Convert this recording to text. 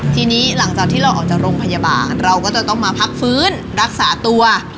ทีนี้หลังจากที่เราออกจากโรงพยาบาลเราก็จะต้องมาพักฟื้นรักษาตัว